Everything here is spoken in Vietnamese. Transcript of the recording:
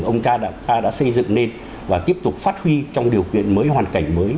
ông cha đã xây dựng nên và tiếp tục phát huy trong điều kiện mới hoàn cảnh mới